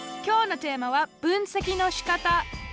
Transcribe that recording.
きょうのテーマは「分析のしかた」。